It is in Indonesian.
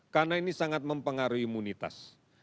karena ini sangat mempengaruhi imunitas